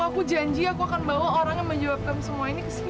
aku janji aku akan bawa orang yang menjawab kamu semua ini kesini